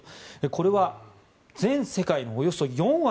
これは全世界のおよそ４割。